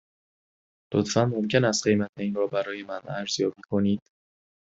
لطفاً ممکن است قیمت این را برای من ارزیابی کنید؟